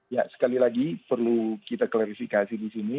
ya sekali lagi perlu kita klarifikasi di sini